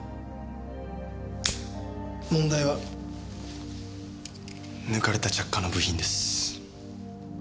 問題は抜かれた着火の部品です。